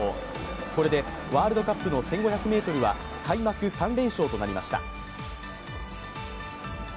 これで、ワールドカップの１５００ｍは開幕３連勝となりました。